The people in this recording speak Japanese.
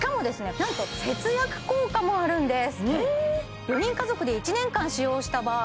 なんと節約効果もあるんです